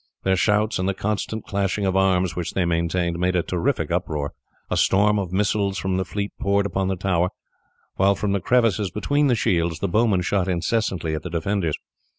Their shouts, and the constant clashing of arms which they maintained, made a terrific uproar; a storm of missiles from the fleet poured upon the tower, while from the crevices between the shields the bowmen shot incessantly at the defenders.